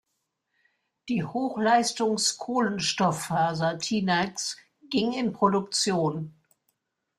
Die Hochleistungs-Kohlenstofffaser "Tenax" ging in Produktion.